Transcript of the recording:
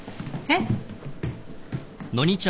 えっ？